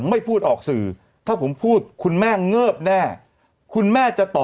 ไม่พูดออกสื่อถ้าผมพูดคุณแม่เงิบแน่คุณแม่จะต่อ